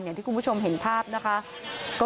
อย่างที่คุณผู้ชมเห็นภาพนะคะ